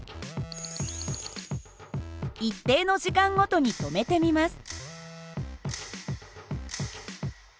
一定の時間ごとに止めてみます。